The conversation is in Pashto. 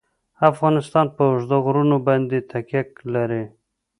افغانستان په اوږده غرونه باندې تکیه لري.